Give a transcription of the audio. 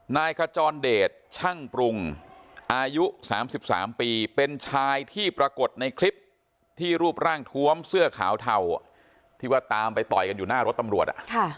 นายขจรเดชช่างปรุงอายุ๓๓ปีเป็นชายที่ปรากฏในคลิปที่รูปร่างทวมเสื้อขาวเทาที่ว่าตามไปต่อยกันอยู่หน้ารถตำรวจ